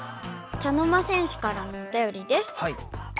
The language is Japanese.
茶の間戦士からのおたよりです。